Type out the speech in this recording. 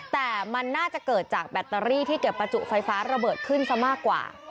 แต่มันน่าจะเกิดจากแบตเตอรี่ที่เก็บประจุไฟฟ้าระเบิดขึ้นซะมากกว่า